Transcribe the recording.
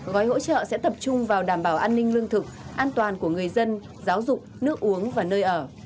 gói hỗ trợ sẽ tập trung vào đảm bảo an ninh lương thực an toàn của người dân giáo dục nước uống và nơi ở